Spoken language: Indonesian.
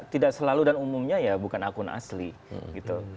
tidak selalu dan umumnya ya bukan akun asli gitu